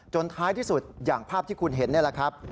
ท้ายที่สุดอย่างภาพที่คุณเห็นนี่แหละครับ